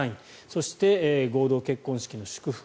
そして合同結婚式の祝福